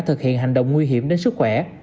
thực hiện hành động nguy hiểm đến sức khỏe